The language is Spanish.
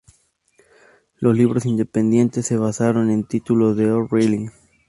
Los libros independientes se basaron en títulos de O'Reilly.